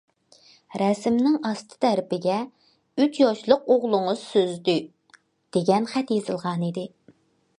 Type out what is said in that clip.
رەسىمنىڭ ئاستى تەرىپىگە« ئۈچ ياشلىق ئوغلىڭىز سىزدى» دېگەن خەت يېزىلغانىدى.